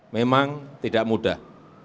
memang tidak mudah